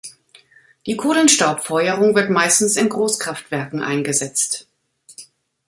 Die Kohlenstaubfeuerung wird meistens in Großkraftwerken eingesetzt.